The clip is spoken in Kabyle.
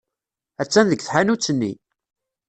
Attan deg tḥanut-nni.